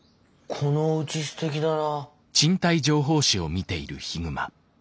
このおうちすてきだな。